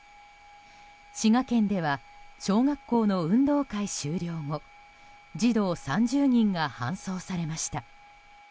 滋賀県では小学校の運動会終了後児童３０人が搬送されました。